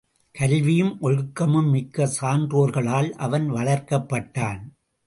கல்வியும் ஒழுக்கமும் மிக்க சான்றோர்களால் அவன் வளர்க்கப்பட்டான்.